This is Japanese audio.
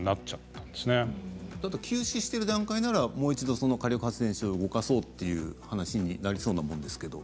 ただ休止している段階ならもう一度火力発電所を動かそうという話になりそうなものですけど。